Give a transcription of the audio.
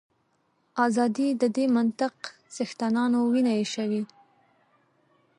ازادي د دې منطق څښتنانو وینه ایشوي.